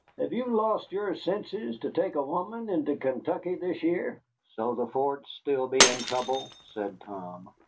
Have you lost your senses, to take a woman into Kentucky this year?" "So the forts be still in trouble?" said Tom.